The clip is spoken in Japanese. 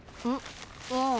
ああ。